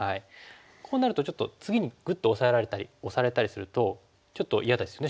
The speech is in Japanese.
こうなるとちょっと次にグッとオサえられたりオサれたりするとちょっと嫌ですよね